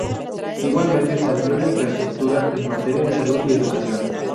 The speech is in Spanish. Igualmente, se amplió la infraestructura en materia de salud y educación.